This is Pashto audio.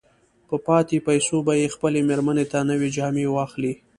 په پاتې پيسو به يې خپلې مېرمې ته نوې جامې واخلي.